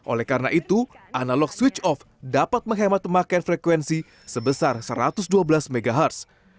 oleh karena itu analog switch off dapat menghemat pemakaian frekuensi sebesar satu ratus dua belas mhz